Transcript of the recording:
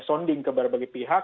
sonding ke berbagai pihak